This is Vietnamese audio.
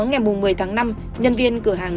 ngày một mươi tháng năm nhân viên cửa hàng